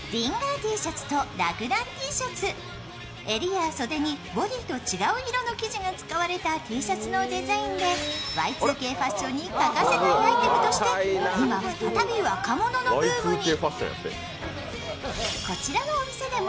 襟や袖にボディーと違う色が使われたＴシャツのデザインでＹ２Ｋファッションに欠かせないアイテムとして今、再び若者のブームに。